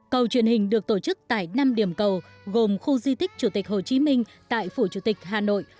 cầu truyền hình được tổ chức tại năm điểm cầu gồm khu di tích chủ tịch hồ chí minh tại phủ chủ tịch hà nội